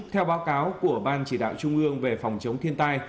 theo báo cáo của ban chỉ đạo trung ương về phòng chống thiên tai